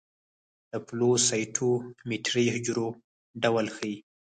د فلو سايټومېټري حجرو ډول ښيي.